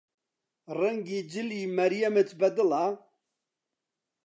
ڕەنگی جلی مەریەمت بەدڵە؟